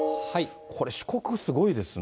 これ、四国、すごいですね。